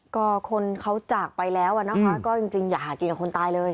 ก็คนเขาจากไปแล้วอะนะคะก็จริงอย่าหากินกับคนตายเลย